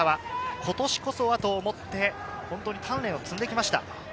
今年こそはと思って、鍛錬をつんできました。